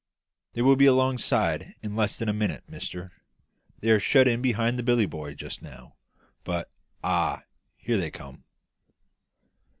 "They will be alongside in less than a minute, mister. They are shut in behind that billy boy just now; but Ah, here they come!"